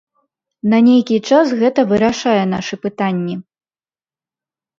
На нейкі час гэта вырашае нашы пытанні.